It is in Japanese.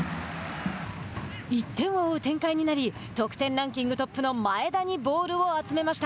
１点を追う展開になり得点ランキングトップの前田にボールを集めました。